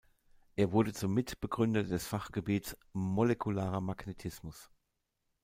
Er wurde zum Mitbegründer des Fachgebiets „Molekularer Magnetismus“.